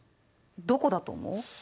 どこだと思う？